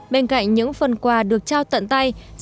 bên cạnh những phần quà được trao tận tay